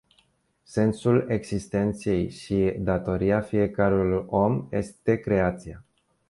Sensul existenței și datoria fiecărui om estecreația.